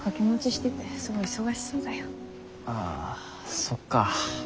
ああそっか。